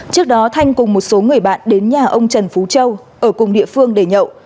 trước đó thanh cùng một số người bạn đến nhà ông trần phú châu ở cùng địa phương để nhậu